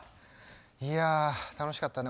いや楽しかったね